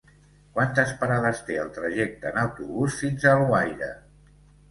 Quantes parades té el trajecte en autobús fins a Alguaire?